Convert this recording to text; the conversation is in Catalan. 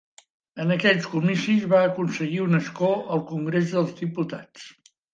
En aquells comicis va aconseguir un escó al Congrés dels diputats.